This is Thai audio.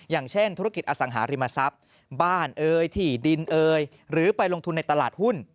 อย่างเช่นธุรกิจอสังหาริมทรัพย์บ้านเอ่ยถี่ดินเอยหรือไปลงทุนในตลาดหุ้น